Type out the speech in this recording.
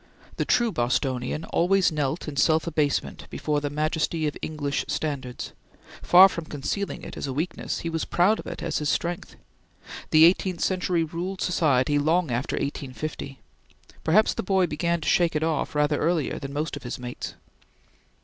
The true Bostonian always knelt in self abasement before the majesty of English standards; far from concealing it as a weakness, he was proud of it as his strength. The eighteenth century ruled society long after 1850. Perhaps the boy began to shake it off rather earlier than most of his mates.